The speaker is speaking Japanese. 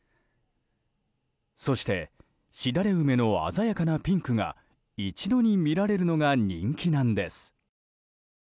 そしてしだれ梅の鮮やかなピンクが一度に見られるのが人気なんです。